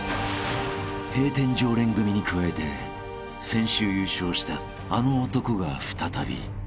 ［閉店常連組に加えて先週優勝したあの男が再び］